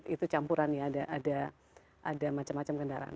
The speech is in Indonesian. itu campuran ya ada macam macam kendaraan